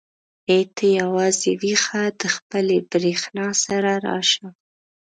ای ته یوازې ويښه د خپلې برېښنا سره راشه.